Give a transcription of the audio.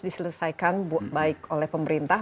diselesaikan baik oleh pemerintah